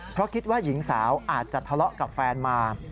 เพราะคิดว่าหญิงสาวอาจจะทะเลาะกับแฟนมา